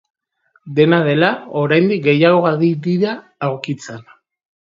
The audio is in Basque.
Dena dela, oraindik gehiago ari dira aurkitzen.